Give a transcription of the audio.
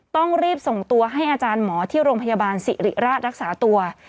ต้องรีบส่งตัวให้อาจารย์หมอที่โรงพยาบาลสิริราชรักษาตัว